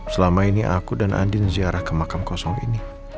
selama ini aku dan andin ziarah ke makam kosong ini